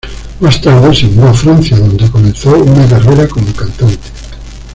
Más tarde se mudó a Francia, donde comenzó una carrera como cantante.